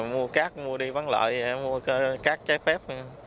mùa cắt mua ý văn lợi mua cát trái phép